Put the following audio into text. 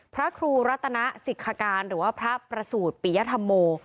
พระครูรัตนสิทธการหรือว่าพระประสูจน์ปิยธรรมโม